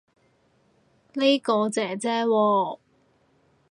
呢個姐姐喎